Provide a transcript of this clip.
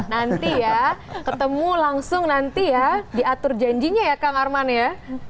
nanti ya ketemu langsung nanti ya diatur janjinya ya kang arman ya